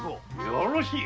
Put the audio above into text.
よろしい！